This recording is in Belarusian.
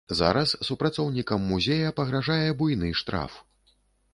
Зараз супрацоўнікам музея пагражае буйны штраф.